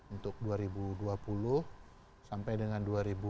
untuk dua ribu dua puluh sampai dengan dua ribu dua puluh